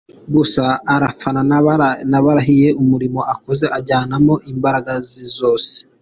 gusa arafana nfabarahiye, umurimo akoze ajyanamo imbaraga ze zose.